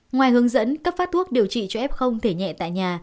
ngoài hướng dẫn cấp phát thuốc điều trị cho f thể nhẹ tại nhà